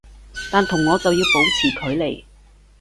但同我就要保持距離